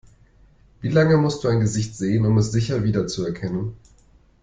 Wie lange musst du ein Gesicht sehen, um es sicher wiederzuerkennen?